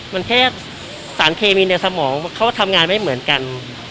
มันแค่สารเคมีในสมองเขาทำงานไม่เหมือนกัน